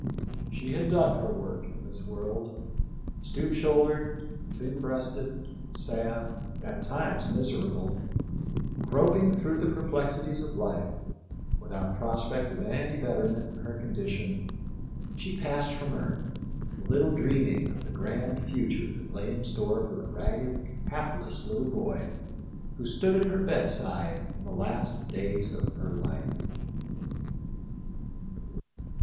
She had done her work in this world. Stoop shouldered, thin breasted, sad, — at times miserable, — groping through the per plexities of life, without prospect of any betterment in her condition, she passed from earth, little dreaming of the grand future that lay in store for the ragged, hapless little boy who stood at her bed side in the last days of her life.